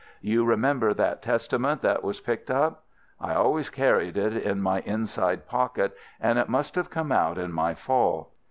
You remember that Testament that was picked up. I always carried it in my inside pocket, and it must have come out in my fall.